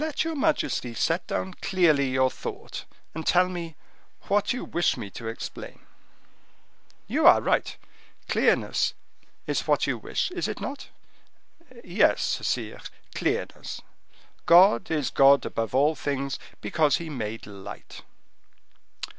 "Let your majesty set down clearly your thought, and tell me what you wish me to explain." "You are right, clearness is what you wish, is it not?" "Yes, sire, clearness. God is God above all things, because He made light."